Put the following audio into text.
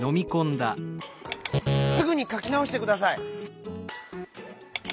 「すぐにかきなおしてください」。